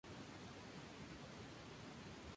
Tipo de Enlace!!